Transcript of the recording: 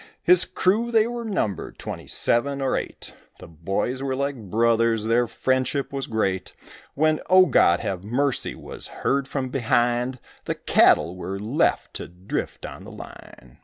His crew they were numbered twenty seven or eight, The boys were like brothers, their friendship was great, When "O God, have mercy" was heard from behind, The cattle were left to drift on the line.